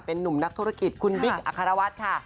เป็นนุ่มนักธุรกิจคุณบิ๊กอัครวัฒน์ค่ะ